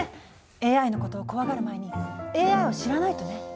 ＡＩのことを怖がる前にＡＩを知らないとね。